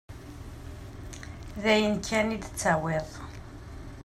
D ayen kan i d-tettawiḍ.